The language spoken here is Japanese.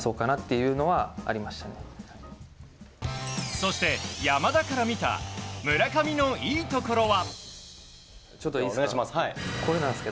そして、山田から見た村上のいいところは？